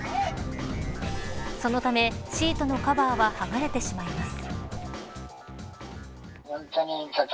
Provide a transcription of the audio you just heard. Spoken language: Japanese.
そのためシートのカバーははがれてしまいます。